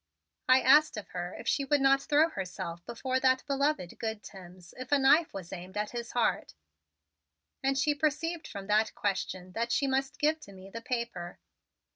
"I asked of her if she would not throw herself before that beloved good Timms if a knife was aimed at his heart; and she perceived from that question that she must give to me the paper.